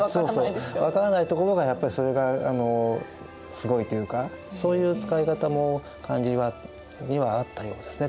分からないところがやっぱりそれがすごいというかそういう使い方も漢字にはあったようですね